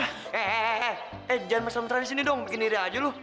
eh eh eh eh eh eh jangan masalah masalah disini dong gini aja lo